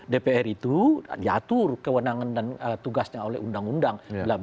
dpr itu diatur kewenangan dan tugasnya oleh undang undang